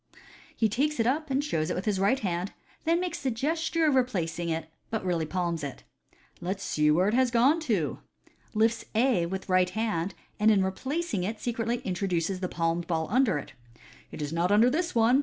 He takes it up and shows it with right hand, then makes the gesture of replacing, but really palms it. " Let us see where it has gone to " (lifts A with right hand, and in replacing it secretly intro duces the palmed ball under it). " It is not under this one.